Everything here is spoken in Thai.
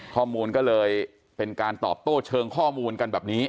ข้อมูลก็เลยเป็นการตอบโต้เชิงข้อมูลกันแบบนี้